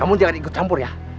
namun jangan ikut campur ya